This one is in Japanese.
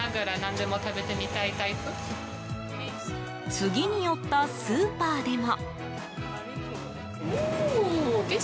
次に寄ったスーパーでも。